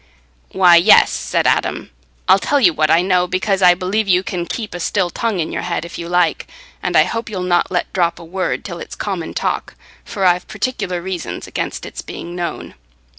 "Why, yes," said Adam; "I'll tell you what I know, because I believe you can keep a still tongue in your head if you like, and I hope you'll not let drop a word till it's common talk, for I've particular reasons against its being known."